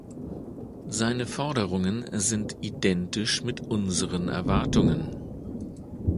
Seine Forderungen sind identisch mit unseren Erwartungen.